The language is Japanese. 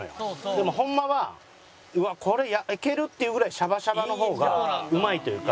でもホンマはうわこれ焼ける？っていうぐらいシャバシャバの方がうまいというか。